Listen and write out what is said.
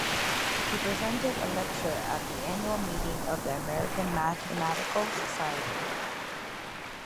He presented a lecture at the annual meeting of the American Mathematical Society.